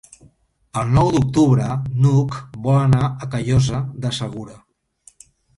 El nou d'octubre n'Hug vol anar a Callosa de Segura.